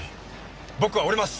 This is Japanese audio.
僕は下ります！